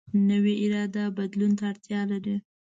نوې اراده بدلون ته اړتیا لري